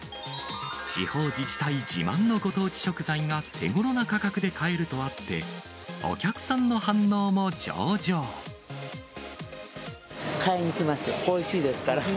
地方自治体自慢のご当地食材が手ごろな価格で買えるとあって、買いに来ますよ、おいしいですから。